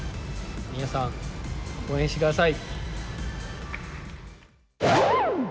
皆さん、応援してください。